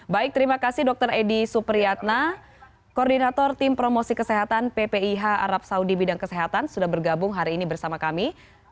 baik terima kasih dokter edi supriyatna koordinator tim promosi kesehatan ppih arab saudi bidang kesehatan sudah bergabung hari ini bersama kami